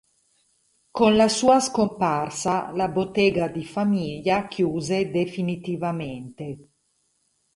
Con la sua scomparsa la bottega di famiglia chiuse definitivamente.